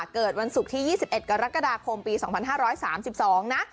เกิดวันศุกร์ที่๒๑กรกฎาคมปี๒๕๓๒นะ